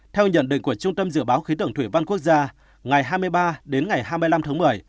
theo nhận định của trung tâm dự báo khí tượng thủy văn quốc gia ngày hai mươi ba đến ngày hai mươi năm tháng một mươi